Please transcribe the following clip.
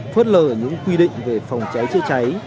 phớt lờ những quy định về phòng cháy chữa cháy